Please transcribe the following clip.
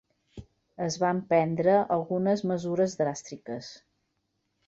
Es van prendre algunes mesures dràstiques.